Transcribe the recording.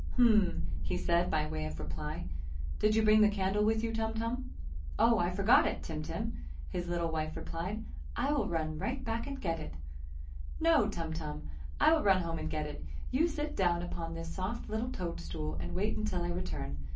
"HMMM!" he said by way of reply, "Did you bring the candle with you, Tum Tum?" "Oh, I forgot it, Tim Tim!" his little wife replied, "I will run right back and get it!" "No, Tum Tum! I will run home and get it! You sit down upon this soft little toad stool and wait until I return.